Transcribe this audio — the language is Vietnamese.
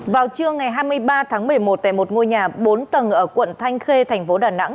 vào trưa ngày hai mươi ba tháng một mươi một tại một ngôi nhà bốn tầng ở quận thanh khê thành phố đà nẵng